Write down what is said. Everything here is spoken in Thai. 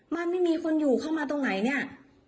มันไม่มีคนอยู่เข้ามาตรงไหนเนี่ย